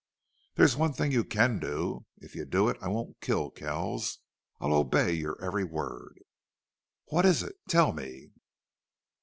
"There's one thing you can do. If you'll do it I won't kill Kells. I'll obey your every word." "What is it? Tell me!"